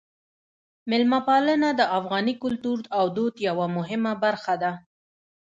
میلمه پالنه د افغاني کلتور او دود یوه مهمه برخه ده.